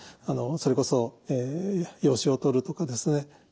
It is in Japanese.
それこそ養子を取るとかですね